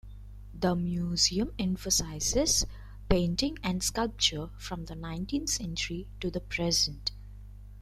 The museum emphasizes painting and sculpture from the nineteenth century to the present.